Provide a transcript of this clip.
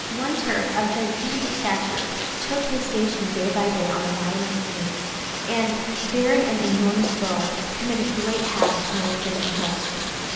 One Turk, of gigantic stature, took his station day by day on the battlements of Nice, and, bearing an enormous bow, committed great havoc among the Christian host.